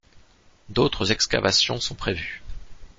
D’autres excavations sont prévues.